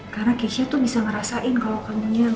karena keisha tuh bisa ngerasain kalau kamunya gak tenang